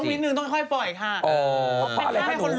ตรงนี้นึงต้องค่อยค่ะเออขออะไรคะหนู